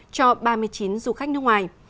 cho ba mươi chín du khách nước ngoài